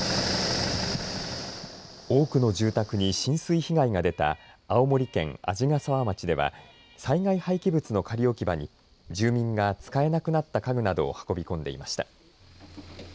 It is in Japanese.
多くの住宅に浸水被害が出た青森県鰺ヶ沢町では災害廃棄物の仮置き場に住民が使えなくなった家具などを運び込んでいました。